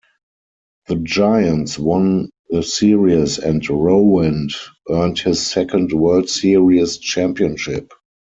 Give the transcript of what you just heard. The Giants won the series, and Rowand earned his second World Series championship.